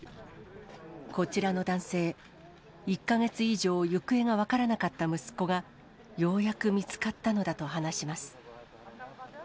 こちらの男性、１か月以上、行方が分からなかった息子が、ようやく見つかったのだと話します。